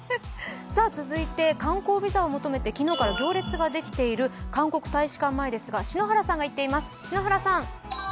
続いて観光ビザを求めて今日から行列ができている韓国大使館前ですが、篠原さんが行っています。